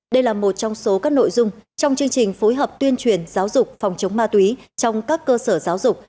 đây là một trong số các nội dung trong chương trình phối hợp tuyên truyền giáo dục phòng chống ma túy trong các cơ sở giáo dục